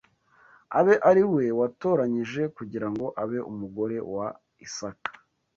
abe ari we watoranyije kugira ngo abe umugore wa Isaka